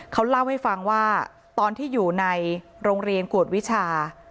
เขาเล่าให้ฟังว่าตอนที่อยู่ในโรงเรียนกวดวิชา